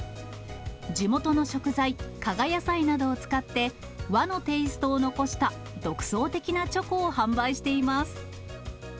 地元の食材、加賀野菜などを使って、和のテイストを残した独創的なチョコを販売しています。